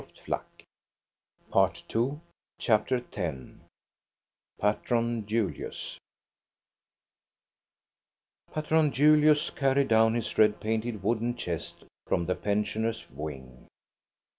PA TRON JUL/ US CHAPTER X PATRON JULIUS Patron Julius carried down his red painted wooden chest from the pensioners' wing.